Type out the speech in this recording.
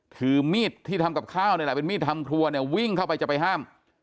ถือมีดที่ทำกับข้าวเป็นมีดทำครัววิ่งเข้าไปจะไปห้าม